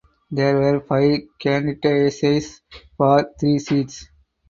There were five candidacies for three seats.